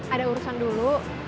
ada urusan dulu